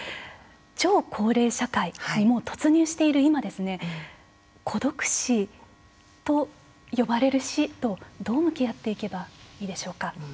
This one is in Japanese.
超高齢社会にもう突入している今ですね孤独死と呼ばれる死とどう向き合っていけばいいでしょうか。